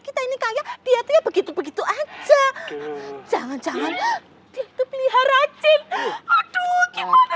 kita ini kayak dia begitu begitu aja jangan jangan dia itu pelihara jin aduh gimana